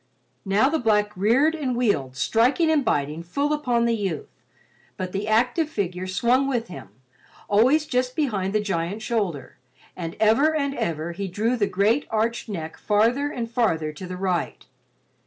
Now the black reared and wheeled, striking and biting, full upon the youth, but the active figure swung with him—always just behind the giant shoulder—and ever and ever he drew the great arched neck farther and farther to the right.